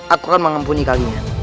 aku akan mengampuni kalian